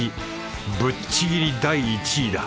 ぶっちぎり第１位だ。